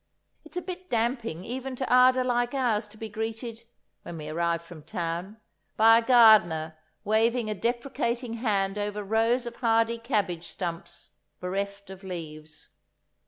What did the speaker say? It is a bit damping even to ardour like ours to be greeted, when we arrive from town, by a gardener waving a deprecating hand over rows of hardy cabbage stumps bereft of leaves.